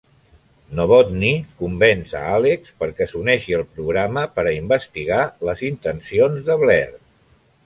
Novotny convenç a Alex perquè s'uneixi al programa per a investigar les intencions de Blair.